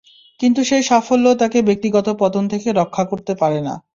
কিন্তু সেই সাফল্য তাঁকে ব্যক্তিগত পতন থেকে রক্ষা করতে পারে না।